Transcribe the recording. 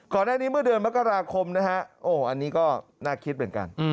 ก่อนแรกนี้เมื่อเดินมาก็ราคมนะฮะอันนี้ก็น่าคิดเหมือนกัน